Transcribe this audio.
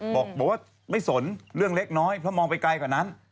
บอกว่าไม่สนเรื่องเล็กน้อยเพราะมองไปไกลกว่านั้น